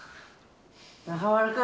中丸君。